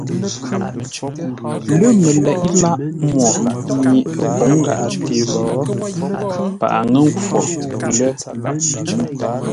Lə̂ məleʼé lâʼ mwo mi ə́ pǒŋ gháʼate lo, paghʼə ŋə̂ nkhwo lə́.